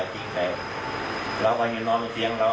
อาจฝั่งว่าเขามีความถิ่นสงสาร